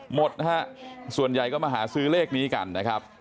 หมดนะฮะส่วนใหญ่ก็มาหาซื้อเลขนี้กันนะครับ